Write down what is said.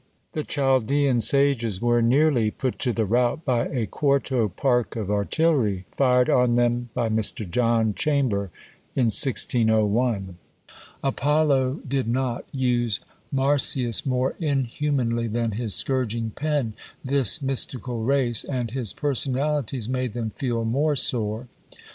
The Chaldean sages were nearly put to the rout by a quarto park of artillery, fired on them by Mr. John Chamber, in 1601. Apollo did not use Marsyas more inhumanly than his scourging pen this mystical race, and his personalities made them feel more sore.